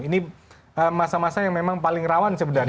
ini masa masa yang memang paling rawan sebenarnya